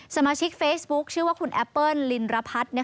สมาชิกเฟซบุ๊คชื่อว่าคุณแอปเปิ้ลลินรพัฒน์